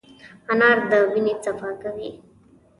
انار د وینې صفا کوي.